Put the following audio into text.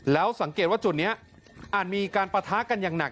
แล้วสังเกตว่าจุดนี้อาจมีการปะทะกันอย่างหนัก